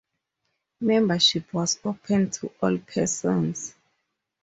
Membership was open to all persons.